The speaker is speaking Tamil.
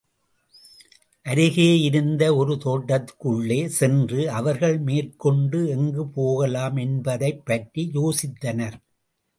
அருகேயிருந்த ஒரு தோட்டத்திற்குள்ளே சென்று அவர்கள் மேற்கொண்டு எங்கு போகலாம் என்பதைப் பற்றி யோசித்தனர்.